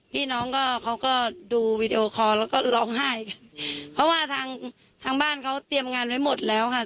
พี่น้องก็เขาก็ดูวีดีโอคอลแล้วก็ร้องไห้กันเพราะว่าทางทางบ้านเขาเตรียมงานไว้หมดแล้วค่ะ